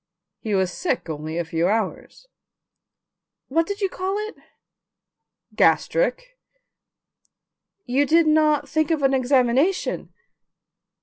He was sick only a few hours." "What did you call it?" "Gastric." "You did not think of an examination?"